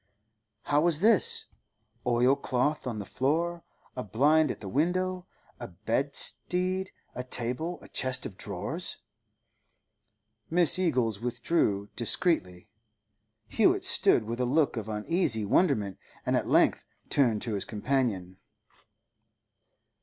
How was this? Oil cloth on the floor, a blind at the window, a bedstead, a table, a chest of drawers— Mrs. Eagles withdrew, discreetly. Hewett stood with a look of uneasy wonderment, and at length turned to his companion.